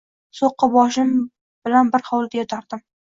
So‘qqaboshim bilan bir hovlida yotardim!